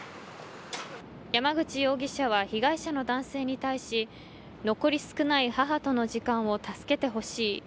山口容疑者は被害者の男性に対し残り少ない母との時間を助けてほしい。